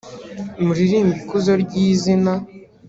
Muririmbe ikuzo ry izina